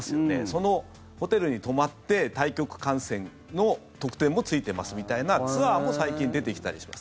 そのホテルに泊まって対局観戦の特典もついてますみたいなツアーも最近、出てきたりしています。